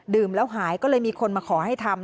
แล้วหายก็เลยมีคนมาขอให้ทำ